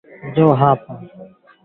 Polisi walipiga kambi usiku wa Ijumaa